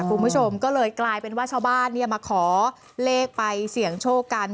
คุณผู้ชมก็เลยกลายเป็นว่าชาวบ้านมาขอเลขไปเสี่ยงโชคกัน